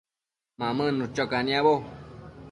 Mamënnu cho caniabo